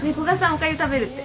おかゆ食べるって。